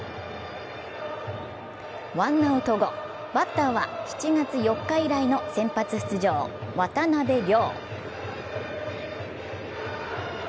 ワンアウト後、バッターは７月４日以来の先発出場、渡邉諒。